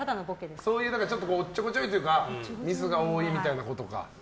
おっちょこちょいというかミスが多いみたいなことか。